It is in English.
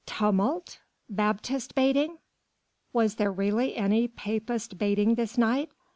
"Tumult? Papist baiting? Was there really any Papist baiting this night?